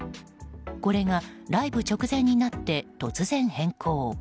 これがライブ直前になって突然変更。